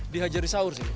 dihajar di sahur sih